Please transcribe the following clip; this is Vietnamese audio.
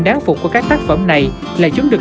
và hy vọng các bạn sẽ theo dõi